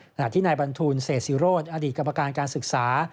ขณะที่นายบรรทูลเศษศิโรธอดีตกรรมการการศึกษา